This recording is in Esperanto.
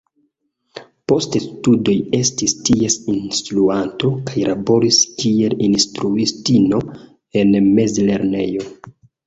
Post studoj estis ties instruanto kaj laboris kiel instruistino en mezlernejo.